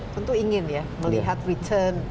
tentu ingin ya melihat return